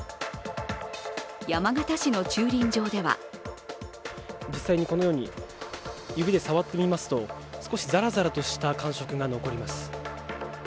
山形市の駐輪場では実際に、このように指で触ってみますと、少しざらざらとした感触が残ります。